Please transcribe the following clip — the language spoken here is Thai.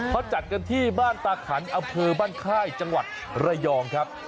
เขาจัดกันที่บ้านตาขันอำเภอบ้านค่ายจังหวัดระยองครับ